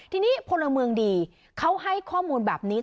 ทีนี้พลเมืองดีเขาให้ข้อมูลแบบนี้